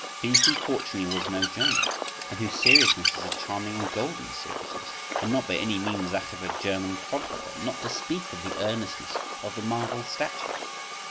He who fortunately was no German, and whose seriousness is a charming and golden seriousness and not by any means that of a German clodhopper.… Not to speak of the earnestness of the "marble statue".